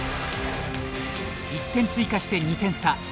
１点追加して、２点差。